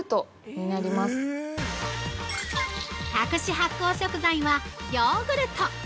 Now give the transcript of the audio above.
◆隠し発酵食材はヨーグルト。